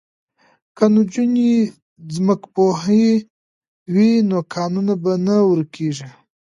که نجونې ځمکپوهې وي نو کانونه به نه ورکیږي.